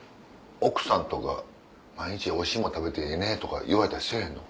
奥さんとか「毎日おいしいもの食べていいね」とか言われたりせぇへんの？